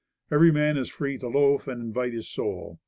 Every man is free to "loaf, and invite his soul."